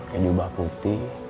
yang jubah putih